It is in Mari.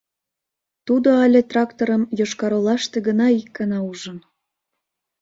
Тудо але тракторым Йошкар-Олаште гына икана ужын.